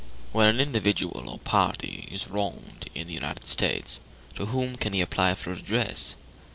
When an individual or a party is wronged in the United States, to whom can he apply for redress?